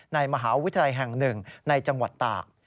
ในมหาวิทยาลัยแห่งหนึ่งในจังหวัดตาก